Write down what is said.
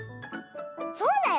そうだよ。